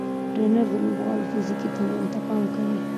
ټرېنر د لوبغاړو فزیکي تمرین ته پام کوي.